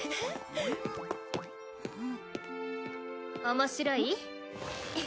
面白い？